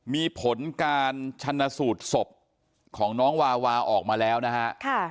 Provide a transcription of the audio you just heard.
มีผลการชนะสูตรศพของน้องวาวาออกมาแล้วนะฮะ